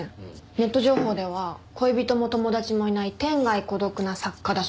ネット情報では恋人も友達もいない天涯孤独な作家だそうです。